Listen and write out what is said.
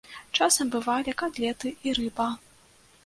Часам бывалі катлеты і рыба.